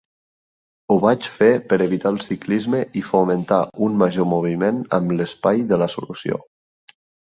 Ho vaig fer per evitar el ciclisme i fomentar un major moviment amb l'espai de la solució.